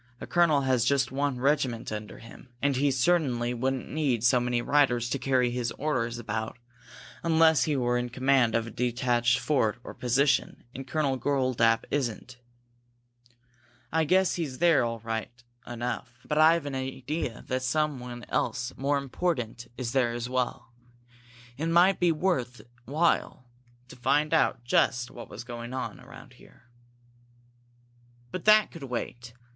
A colonel has just one regiment under him, and he certainly wouldn't need so many riders to carry his orders about unless he were in command of a detached fort or position, and Colonel Goldapp isn't. I guess he's there, right enough, but I've an idea there's someone more important, as well. It might be worth while to find out just what is going on around here." But that could wait.